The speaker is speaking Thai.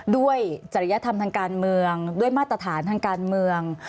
จริยธรรมทางการเมืองด้วยมาตรฐานทางการเมือง